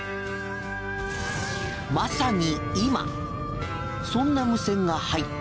まさに今そんな無線が入った。